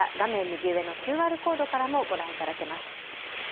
右上のＱＲコードからもご覧いただけます。